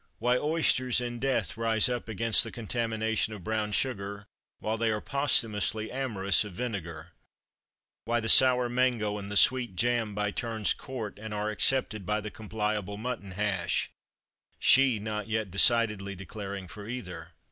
why oysters in death rise up against the contamination of brown sugar, while they are posthumously amorous of vinegar; why the sour mango and the sweet jam by turns court and are accepted by the compilable mutton hash she not yet decidedly declaring for either.